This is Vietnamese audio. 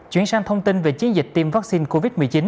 chuyển sang thông tin về chiến dịch tiêm vaccine covid một mươi chín